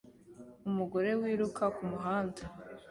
Umugore wiruka kumuhanda